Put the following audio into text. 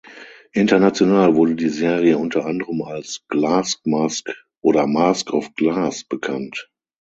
International wurde die Serie unter anderem als "Glass Mask" oder "Mask of Glass" bekannt.